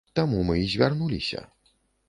Таму мы і звярнуліся.